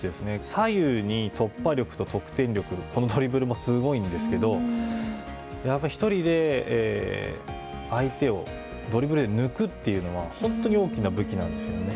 左右に突破力と得点力、このドリブルもすごいんですけど、やっぱ１人で相手をドリブルで抜くっていうのは、本当に大きな武器なんですよね。